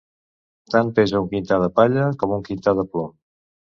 Tant pesa un quintar de palla com un quintar de plom.